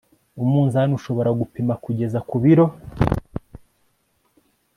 umunzani ushobora gupima kugeza ku biro